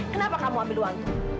kenapa kamu ambil uang